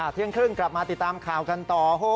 เที่ยงครึ่งกลับมาติดตามข่าวกันต่อ